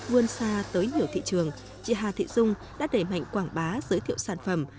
vươn xa tới nhiều thị trường chị hà thị dung đã đẩy mạnh quảng bá giới thiệu sản phẩm